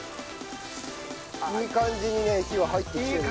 いい感じにね火は入ってきてる。